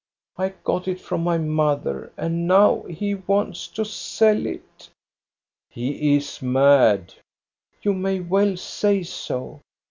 I got it from my mother, and now he wants to sell it." •* He is mad." "You may well say so.